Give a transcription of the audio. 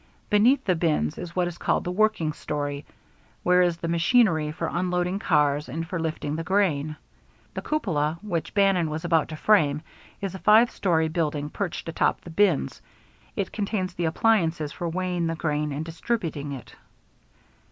Beneath the bins is what is called the working story, where is the machinery for unloading cars and for lifting the grain. The cupola, which Bannon was about to frame, is a five story building perched atop the bins. It contains the appliances for weighing the grain and distributing it.